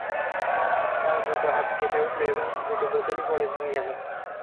তার দুটো হাত কেঁপে উঠলো এবং দুটো বোতলই পড়ে ভেঙ্গে গেল।